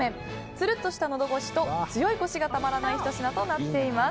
つるっとしたのど越しと強いコシがたまらないひと品となっています。